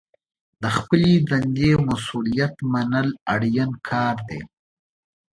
د خپلې دندې مسوولیت منل اړین کار دی.